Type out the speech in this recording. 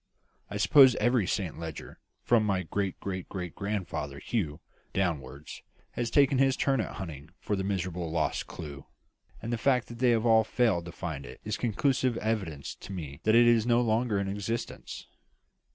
I suppose every Saint Leger, from my great great great grandfather Hugh, downwards, has taken his turn at hunting for that miserable lost clue; and the fact that they all failed to find it is conclusive evidence to me that it is no longer in existence."